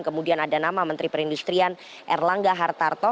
kemudian ada nama menteri perindustrian erlangga hartarto